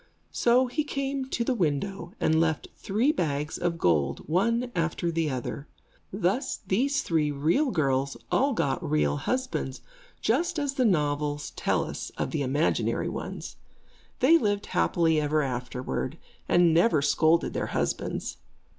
So he came to the window, and left three bags of gold, one after the other. Thus these three real girls all got real husbands, just as the novels tell us of the imaginary ones. They lived happily ever afterward, and never scolded their husbands.